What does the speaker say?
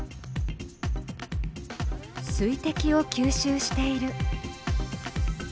水滴を吸収している。